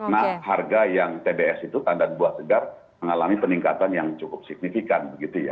nah harga yang tbs itu tanda buat segar mengalami peningkatan yang cukup signifikan begitu ya